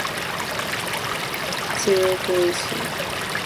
Still, Occidental gained adherents in many nations including Asian nations.